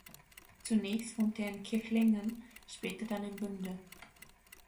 Zunächst wohnte er in Kirchlengern, später dann in Bünde.